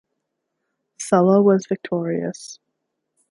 Sulla was victorious.